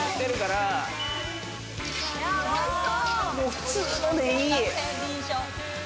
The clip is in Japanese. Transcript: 普通のでいい。